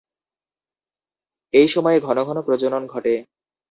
এই সময়ে ঘন ঘন প্রজনন ঘটে।